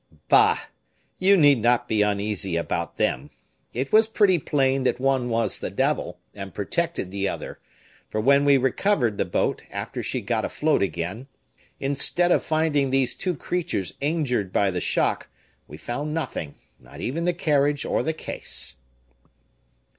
"Bah! you need not be uneasy about them! It was pretty plain that one was the devil, and protected the other; for when we recovered the boat, after she got afloat again, instead of finding these two creatures injured by the shock, we found nothing, not even the carriage or the case."